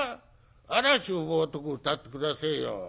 『嵐を呼ぶ男』を歌って下せえよ」。